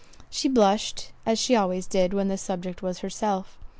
She blushed, as she always did when the subject was herself.